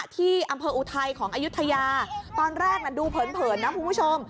ที่อำเภออุทัยของอายุทยาตอนแรกน่ะดูเผินนะคุณผู้ชม